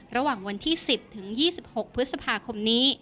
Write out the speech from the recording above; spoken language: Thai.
ระหว่างวันที่๑๐ถึง๒๖พฤษภาคมนี้